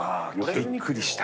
びっくりした。